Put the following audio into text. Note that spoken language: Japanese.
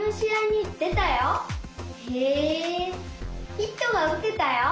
ヒットがうてたよ。